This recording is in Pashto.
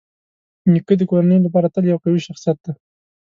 نیکه د کورنۍ لپاره تل یو قوي شخصيت دی.